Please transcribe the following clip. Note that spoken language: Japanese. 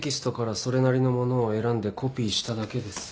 それなりのものを選んでコピーしただけです。